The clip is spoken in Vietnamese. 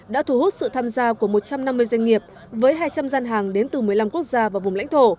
đã thu hút sự tham gia của một trăm năm mươi doanh nghiệp với hai trăm linh gian hàng đến từ một mươi năm quốc gia và vùng lãnh thổ